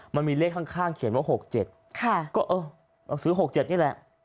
มันมีเลขข้างเขียนว่า๖๗ก็เออซื้อ๖๗นี่แหละ